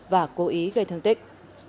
và cố ý gây thương tích